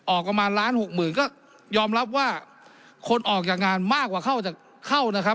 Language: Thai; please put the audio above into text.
ออกมาล้านหกหมื่นก็ยอมรับว่าคนออกจากงานมากกว่าเข้าจากเข้านะครับ